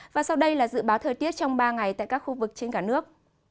và sau đây là dự báo thời tiết trong ba ngày tại các khu vực trên cả nước